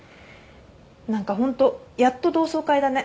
何かホントやっと同窓会だね。